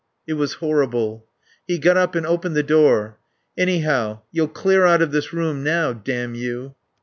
(It was horrible.) He got up and opened the door. "Anyhow, you'll clear out of this room now, damn you."